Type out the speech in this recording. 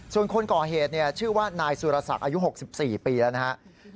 ส่วนคนก่อเหตุชื่อว่านายสุรศักดิ์อายุ๖๔ปีแล้วนะครับ